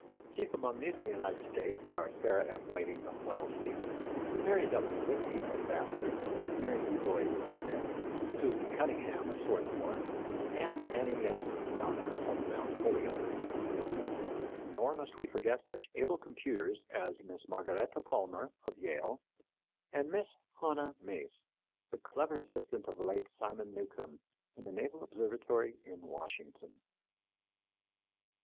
Chief among these in the United States are Sarah F. Whiting, of Wellesley; Mary W. Whitney, of Vassar; Mary E. Boyd, of Smith; Susan Cunningham, of Swarthmore, and Annie S. Young, of Mt. Holyoke. Nor must we forget such able computers as Mrs. Margaretta Palmer, of Yale, and Miss Hanna Mace, the clever assistant of the late Simon Newcomb in the Naval Observatory in Washington.